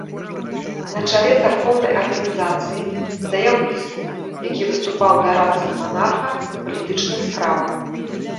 На чале царкоўнай арганізацыі стаяў біскуп, які выступаў дарадцам манарха ў палітычных справах.